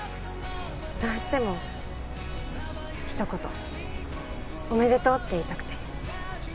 どうしてもひと言「おめでとう」って言いたくて。